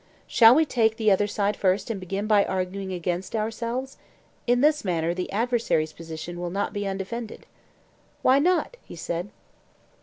Shall we take the other side first and begin by arguing against ourselves; in this manner the adversary's position will not be undefended. Why not? he said.